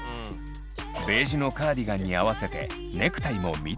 ベージュのカーディガンに合わせてネクタイも緑に。